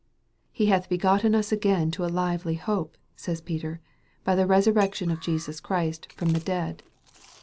He hath hegotten us again to a lively hope," says Peter, " by the resurrection of Jesus Christ from the dead."